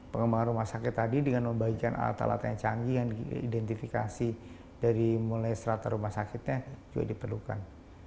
pengembangan rumah sakit tadi dengan membagikan alat alat yang canggih dan identifikasi dari mulai serata rumah sakitnya juga diperlukan